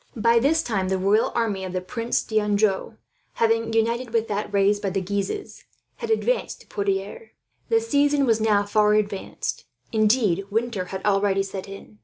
By this time the royal army of the Prince d'Anjou, having united with that raised by the Guises, had advanced to Poitiers. The season was now far advanced. Indeed, winter had already set in.